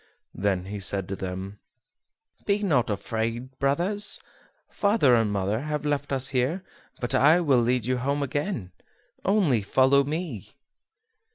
Then he said to them: "Be not afraid, brothers; father and mother have left us here, but I will lead you home again, only follow me."